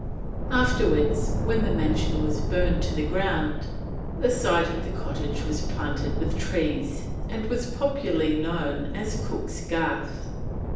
Afterwards, when the mansion was burned to the ground, the site of the cottage was planted with trees, and was popularly known as Cook's Garth.